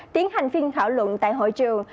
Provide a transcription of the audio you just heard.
tiến hành phiên khảo luận tại hội trường